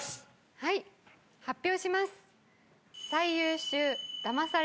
はい、発表します。